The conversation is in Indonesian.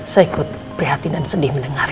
saya ikut prihatin dan sedih mendengar